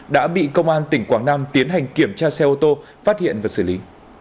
đã bị công an tỉnh quảng nam tiến hành kiểm tra xe ô tô phát hiện và xử lý